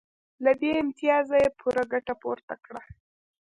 له دې امتیازه یې پوره ګټه پورته کړه